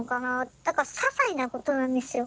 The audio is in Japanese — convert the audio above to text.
だからささいなことなんですよ